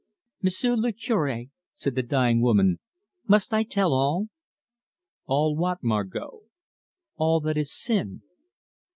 "M'sieu' le Cure," said the dying woman, "must I tell all?" "All what, Margot?" "All that is sin?"